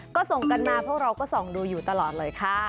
ก็ส่งกันมาพวกเราก็ส่องดูอยู่ตลอดเลยค่ะ